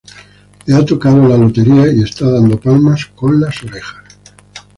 Le ha tocado la lotería y está dando palmas con las orejas